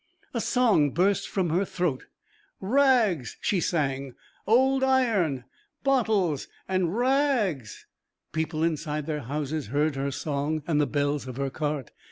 A song burst from her throat: "Rags," she sang, "old iron ... bottles, and ra ags...." People inside their houses heard her song and the bells of her cart.